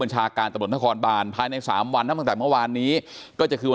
บัญชาการตะหมดนครบาลภายใน๓วันแล้วจากเมื่อวานนี้ก็จะคือ